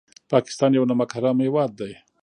پاکستان یو نمک حرام هېواد دی